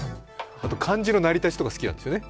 あと漢字の成り立ちとか好きなんですよね。